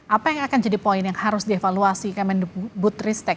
apa yang akan jadi poin yang harus dievaluasi ke mendik butristek